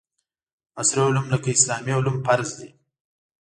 عصري علوم لکه اسلامي علوم فرض دي